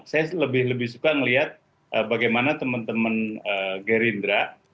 saya lebih lebih suka ngeliat bagaimana teman teman gerindra